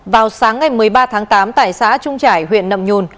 vào sáng ngày một mươi ba tháng tám tại xã trung trải huyện nậm nhùn